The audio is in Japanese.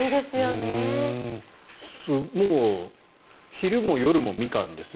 昼も夜もミカンですね